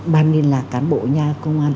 ban liên lạc cán bộ nhà công an